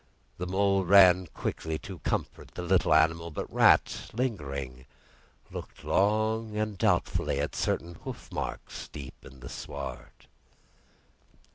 The Mole ran quickly to comfort the little animal; but Rat, lingering, looked long and doubtfully at certain hoof marks deep in the sward.